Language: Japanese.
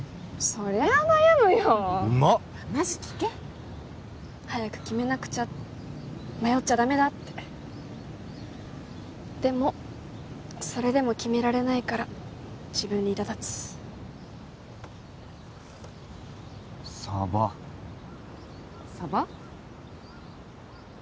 そりゃあ悩むようまっ話聞け早く決めなくちゃ迷っちゃダメだってでもそれでも決められないから自分にいらだつサバサバ？